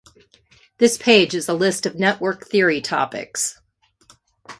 This page is a list of network theory topics.